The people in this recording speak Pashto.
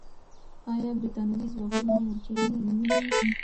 آیا برتانوي ځواکونو مرچلونه نیولي وو؟